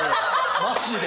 マジで。